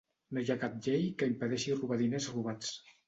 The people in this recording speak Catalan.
No hi ha cap llei que impedeixi robar diners robats.